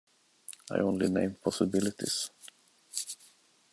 I only name possibilities.